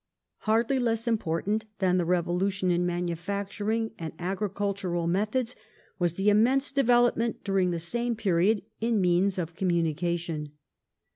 Hardly less important than the revolution in manufacturing and agricultural methods was the immense development during the same period in means of communication.